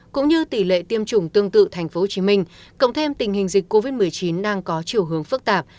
cũng như tỷ lệ tiêm chủng tương tự tp hcm cộng thêm tình hình dịch covid một mươi chín đang có chiều hướng phức tạp